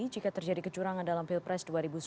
jika terjadi kecurangan dalam pilpres dua ribu sembilan belas